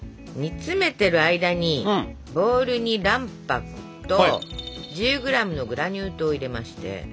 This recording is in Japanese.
煮詰めてる間にボウルに卵白と１０ｇのグラニュー糖を入れまして。